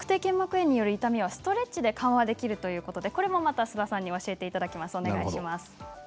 炎による痛みはストレッチで緩和できるということで須田さんに教えていただきます。